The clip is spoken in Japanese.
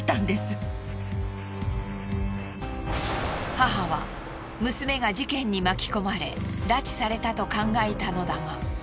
母は娘が事件に巻き込まれ拉致されたと考えたのだが。